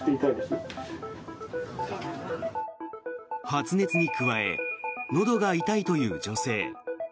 発熱に加えのどが痛いという女性。